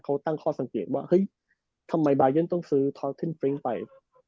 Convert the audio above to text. เขาตั้งข้อสังเกตว่าเฮ้ยทำไมบายันต้องซื้อทอสเทนฟริ้งไป